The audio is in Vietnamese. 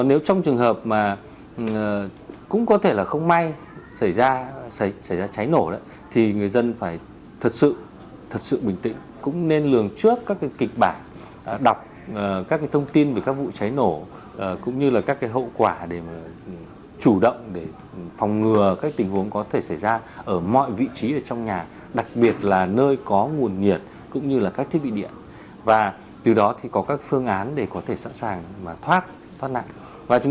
nếu có trường hợp mà cũng có thể là không may xảy ra cháy nổ thì người dân phải thật sự bình tĩnh cũng nên lường trước các kịch bản đọc các thông tin về các vụ cháy nổ cũng như là các hậu quả để chủ động để phòng ngừa các tình huống có thể xảy ra ở mọi vị trí trong nhà đặc biệt là nơi có nguồn nhiệt cũng như là các thiết bị điện và từ đó thì có các phương án để có thể sẵn sàng thoát nạn